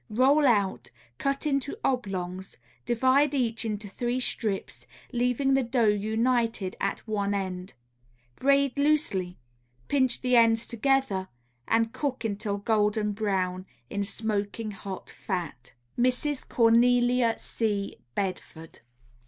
Roll out, cut into oblongs; divide each into three strips, leaving the dough united at one end. Braid loosely, pinch the ends together and cook until golden brown in smoking hot fat. _Mrs. Cornelia C. Bedford.